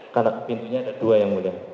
karena pintunya ada dua yang mulia